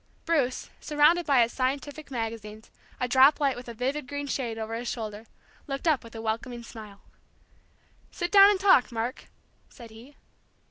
Bruce, surrounded by scientific magazines, a drop light with a vivid green shade over his shoulder, looked up with a welcoming smile. "Sit down and talk, Mark," said he.